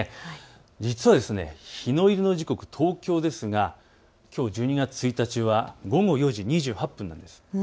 実は日の入りの時刻、東京、きょう１２月１日は午後４時２８分でした。